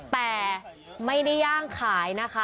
แต่ไม่ได้ย่างขายนะคะ